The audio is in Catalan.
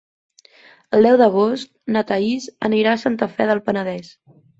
El deu d'agost na Thaís anirà a Santa Fe del Penedès.